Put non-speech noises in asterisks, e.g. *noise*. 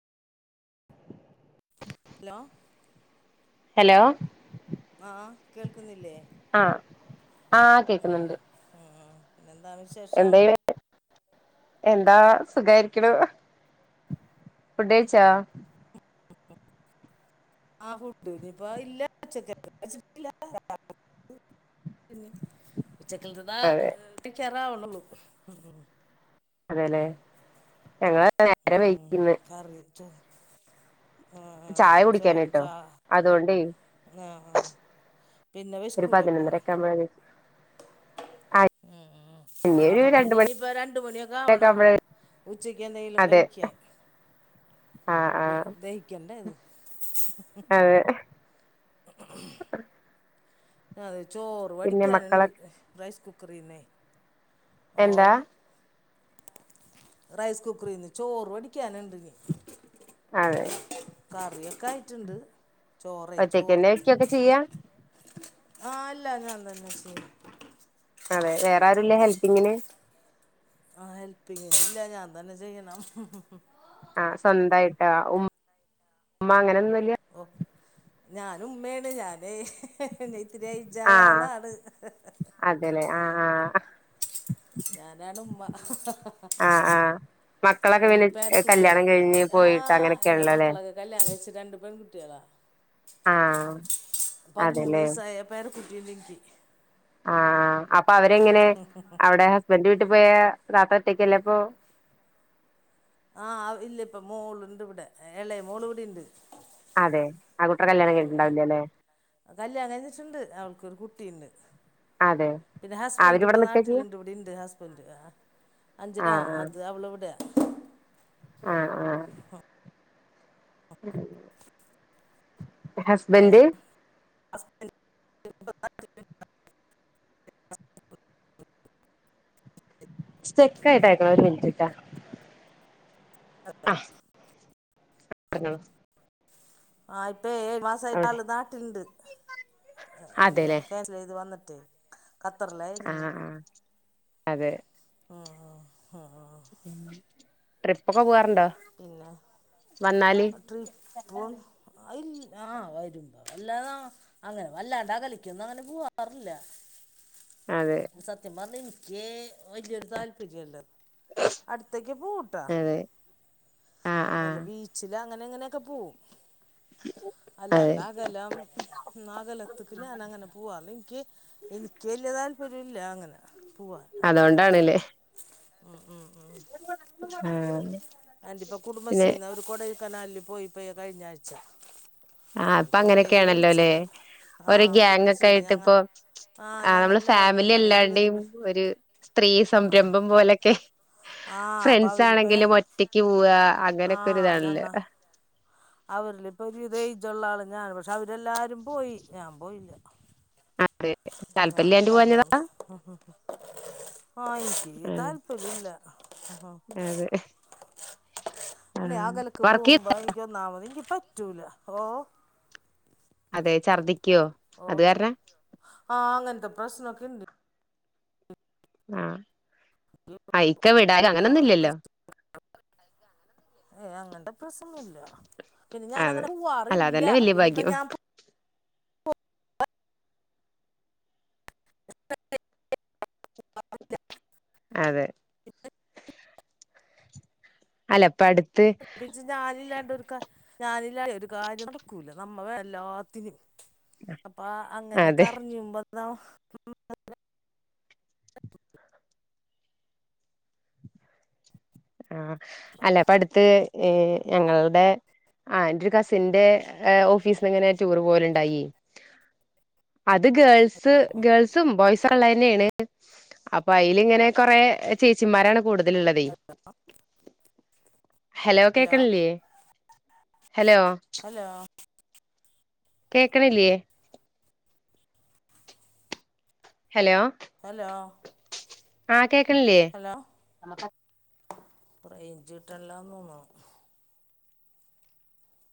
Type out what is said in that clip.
hello hello ആഹ കേൾക്കുന്നില്ലേ ആഹ ആഹ കേക്കുന്നുണ്ട് ഉം ഉം എന്താ വിശേഷം എന്ത എന്താ സുഖായിരിക്കണ ഫുഡ് കഴിച്ചോ ആഹ് ഫുഡ്‌ *unintelligible* ഉച്ചക്കത്ത് അതെ ആവ്ന്നൊള്ളു അതെല്ലെ ഞങ്ങള് നേരെ വഴിക്കന്ന് *inaudible* ആഹ ചായ ചോ ജ കുടിക്കാനാട്ടോ അതുകൊണ്ടേ ആഹ പിന്നെ വെഷ്ക്കുലെ ആഹ് ഉം അപ്പൊ പിന്ന ഇനിയിപ്പ രണ്ട മണിയൊക്കെ ആവണം ഉച്ചയ്ക്ക് എന്തെയിലും അതെ കഴിക്കാൻ ആഹ് ആഹ് ദഹിക്കണ്ടേ അത് ഉം അത് ചോറ് വടിക്കാനുണ്ട് റൈസ് കുക്കറിന്നെ എന്താ ഓഹ് റൈസ് കുക്കറിൽന്ന് ചോറ് വടിക്കാന ഉണ്ട അതെ കറിയൊക്കെ ആയിട്ടുണ്ട് ചോറേ ചോറ് ഒറ്റയ്ക്കന്നെ വെക്കൊക്കെ ചെയ്യാ ആഹ് ഇല്ല ഞാൻ തന്നെ ചെയ്യ അതെ വേറെ ആരുല്ലേ ഹെൽപ്പിങ്ങിന് ആഹ ഹെൽപ് ചെയ്യ ഇല്ല ഞാൻ തന്നെ ചെയ്യണം ആഹ സ്വന്തമായിട്ടാ ഉ ഉമ്മ അങ്ങനൊന്നുംല്ല ഓ ഞാന ഉമ്മാണ് ഞാനേ ന ഇത്തിരിയായിചയാളാണ് അല്ലേ ആഹ് ആഹ് ഞാനാണ് ഉമ്മ ആഹ് ആഹ് മക്കളൊക്കെ എനിക്ക് പിന്നെ കല്യാണം പേർക്കുട്ടികളൊക്കെ ഉണ്ട് കഴിഞ്ഞ് പോയിട്ട് ആഹ് എന്റെ അങ്ങനെയൊക്കെയാണല്ലോല്ലേ മക്കളൊ കല്യാണം കഴിച്ച രണ്ട് പെൺകുട്ടികള ആഹ് പതിമൂന്ന് അതെല്ലേ വയസായ എപ്പ പേര കുട്ടിണ്ടിനിക്ക് ആഹ് ആ അപ്പൊ അവരെങ്ങനെ അവിടെ ഹസ്ബൻഡ് വീട്ടിൽ പോയ തത്ത ഒറ്റയ്ക്കല്ലേ അപ്പൊ ആഹ ഇല്ല ഇപ്പ മോളുണ്ട് ഇവിടെ ഇളയ മോൾ ഇവിടെ ഇണ്ട് അതെ ആ കുട്ടിയുടെ കല്യാണം ഉം ഉം കഴിഞ്ഞിട്ടുണ്ടാവില്ലല്ലേ കല്യാണം കഴിചിട്ടുണ്ട് അവൾക്കൊരു കുട്ടിയുണ്ട് അതെ പിന്നെ ഹസ്ബന്റ് അവരിവിടെ ഇപ്പൊ നിക്കാ ചെയ്യാ നാട്ടിലുണ്ട് ഇവിടെ ഉണ്ട് ഹസ്ബന്റ് ആ അഞ്ച്ട്ടാ ആഹ് അത് അവളോവിടെയാ ആഹ് ആഹ് ഉം *inaudible* സ്റ്റക്കായിയിട്ട് കേക്കണേ ഒരു മിനിട്ട് കേട്ട ആഹ് പറഞ്ഞോളൂ ആ ഇപ്പ ഏഴ് മാസമായിട്ട് അവിടെ ആള് നാട്ടില്ണ്ട് അതെല്ലേ ഇത് വന്നിട്ട് ആഹ് ആഹ് അതെ ആഹ് ആഹ് ട്രിപ്പൊക്കെ പോവാറുണ്ടോ പിന്നെ വന്നാല് ട്രിപ്പും ഇല്ല ആഹ് വരുമ്പോ വല്ലാതാ അങ്ങനെ വല്ലാണ്ട് അകലക്കൊന്നും അങ്ങനെ പോവാറില്ല അതെ സത്യം പറഞ്ഞാൽ എനിക്ക് വലിയൊരു താല്പര്യമല്ല അടുത്തേക്ക് പോവൂട്ടാ അതെ ആഹ് വല്ല ആഹ് ബീച്ചില അങ്ങനെ അങ്ങനെയൊക്കെ പോവും അതെ അല്ലാണ്ട് അകലം ന്നാ അകലത്തക്ക് ഞാൻ അങ്ങനെ പോവാറീല്ല എനിക്ക് എനിക്കവല്യ താല്പര്യമില്ല അങ്ങനെ പോവാൻ അതുകൊണ്ടാണ് കേട്ടോ അതുകൊണ്ടാണല്ലേ ഉം ഉം ഉം ആഹ് ആഹ് ഇപ്പ പിന്നെ കുടുംബശ്രീന്ന് അവര് കൊടക കനാലിൽ പോയിപ്പോ കഴിഞ്ഞ ആഴ്ച ആഹ് അവർ അപ്പൊ കുറേ അങ്ങനെയൊക്കെയാണല്ലോല്ലേ വിളിച്ചെന്നെ ആ ഓര ഗാങ് ഒക്കെ കുടുംബശ്രീന്ന് ആയിട്ട് ഞങ്ങൾ ഇപ്പൊ ആ ആഹ് ഞങ്ങൾ നമ്മള് എല്ലാവരും ഫാമിലി ഉണ്ട് ഞങ്ങൾ അല്ലാ ഇരുപത് രടിം പേ ഒരു സ്ത്രീ ആ സംരംഭം പോലൊക്കെ ആ അപ്പം ഫ്രണ്ട്സ് അവരിപ്പോൾ ആണെങ്കിലും ഒറ്റക്ക് പോവാ അങ്ങനെയൊക്കെ ഒരു ഇതാണല്ലോ അവരില ഇപ്പൊ ഒരു എയ്ജ ഉള്ള ആള് ഞൻ പക്ഷെ അവരെല്ലാരും പോയി ഞാൻ പോയില്ല അതെ ആഹ് താല്പര്യല്ലാണ്ട് ഞാനില്ലാന്ന പോവാഞ്ഞതാ പറഞ്ഞു ഉം ഉം ആഹ് എനിക്ക് ആഹ് താല്പര്യ ഇല്ല അതെ അല്ലെ ആ ആഹ് നെലക്ക് വർക്ക് ചെയ് പോകുമ്പോ എനിക്കൊന്നാമത് എനിക്ക് പറ്റൂല ഓഹ് അതെ ഛർദ്ദിക്കോ ഓഹ് ആഹ് അങ്ങനത്തെ പ്രശ്നൊക്കെ ഇണ്ട് ആഹ് ആഹ് ഇക്ക *unintelligible* വിടാനും അങ്ങനൊന്നും ആഹ് ഇല്ലല്ലോ ഏഹ് അങ്ങനെ ഒന്നൂല്ല അങ്ങട് പ്രശ്നില്ല പിന്നെ അതെ ഞാൻങ്ങനെ അല്ല പോവാറില്ല അതന്നെ വല്യ പിന്നെ ഇപ്പം ഭാഗ്യം ഞാൻ പോ *unintelligible* അതെ അല്ല പ്പട്ത്ത് ജ് പഞാനില്ലാണ്ട് ഒരു ഞാനില്ലാ ഒരു കാര്യം നടക്കൂല നമ്മള് എല്ലാത്തിനും അപ്പ അങ്ങനെ അതെ കറിഞ്ഞുമ്പോതാ ആഹ് അല്ല അപ്പൊ അടുത്ത് ഞങ്ങളുടെ ആഹ് എന്റെ ഒരു കസിന്റെ ഓഫീസിന്ന് ഇങ്ങനെ ടൂർ പോലുണ്ടായി അത് ഗേൾസ് ഗേൾസും ബോയ്സ് ക്കള്ളെന്നെയാണ് അപ്പൊ അയില് ഇങ്ങനെ കൊറെ ചേച്ചിമാരാണ് കൂടുതലുള്ളത് ഹലോ കേക്ക്ണില്ലേ ഹലോ ഹലോ കേക്ക്ണില്ലേ ഹലോ ഹലോ ആഹ് കേക്ക്ണില്ലേ റൈഞ്ചിട്ടല്ലാം തോന്നുണു